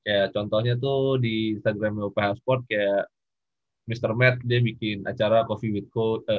ya contohnya tuh di instagramnya uphl sport kayak mr matt dia bikin acara coffee with coach